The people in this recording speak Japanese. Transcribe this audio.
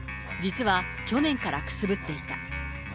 実は去年からくすぶっていた。